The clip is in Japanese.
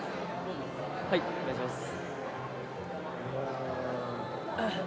はいお願いします。